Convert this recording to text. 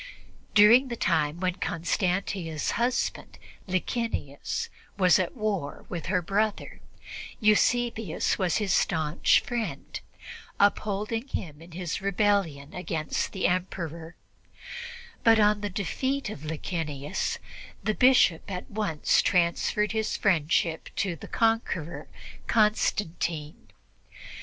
During the time when Constantia's husband, Licinius, was at war with her brother, Eusebius was his staunch friend, upholding him in his rebellion against the Emperor; but on the defeat of Licinius, the Bishop at once transferred his friendship to the conqueror, Constantine.